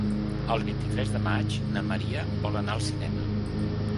El vint-i-tres de maig na Maria vol anar al cinema.